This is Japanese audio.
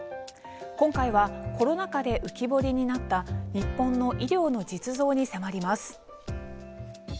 今回はコロナ禍で浮き彫りになった日本の医療の実像に迫ります。